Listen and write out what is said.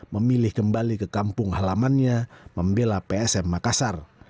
memilih kembali ke kampung halamannya membela psm makassar